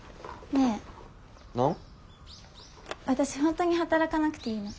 私本当に働かなくていいの？